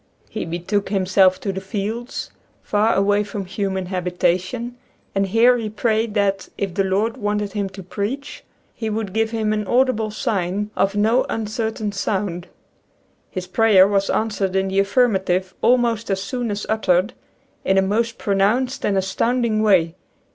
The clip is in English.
He betook himself to the fields, far away from human habitation, and here he prayed, that, if the Lord wanted him to preach He would give him an audible sign of no uncertain sound. His prayer was an swered in the affirmative almost as soon as uttered, in a most pronounced and astounding way.